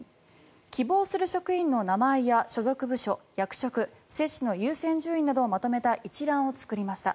希望する職員の名前や所属部署役職、接種の優先順位をまとめた一覧を作りました。